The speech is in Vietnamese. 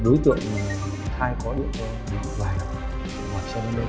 đối tượng thai có điện thoại và xe đi đến đây